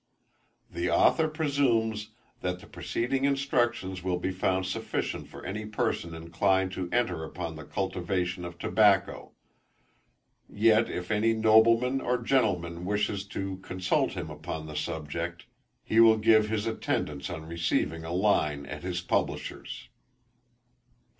The Author presumes that the preceding instructions will be found sufficient for any person inclined to enter upon the cultivation of tobacco; yet if any nobleman or gentleman wishes to consult him upon the subject, he will give his attendance on receiving a line at his Publisher's.